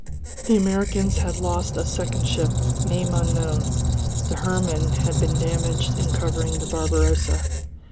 The Americans had lost a second ship, name unknown; the Hermann had been damaged in covering the Barbarossa....